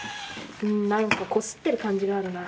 何かこすってる感じがあるな